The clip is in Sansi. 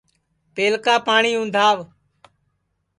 پہلکا پاٹؔی اُندھاو